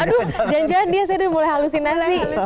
aduh jangan jangan dia mulai halusin aja sih